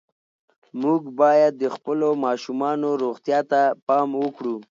موږ باید د خپلو ماشومانو روغتیا ته پام وکړو.